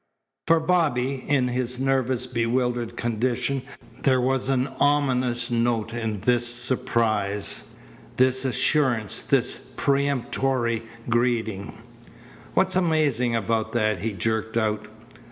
For Bobby, in his nervous, bewildered condition, there was an ominous note in this surprise, this assurance, this peremptory greeting. "What's amazing about that?" he jerked out.